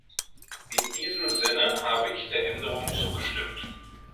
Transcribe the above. In diesem Sinne habe ich der Änderung zugestimmt.